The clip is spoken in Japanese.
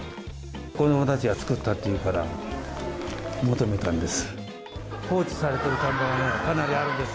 子どもたちが作ったっていうから、求めたんです。